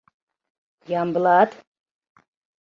Ямблат...»